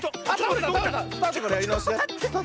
スタートからやりなおしだよ。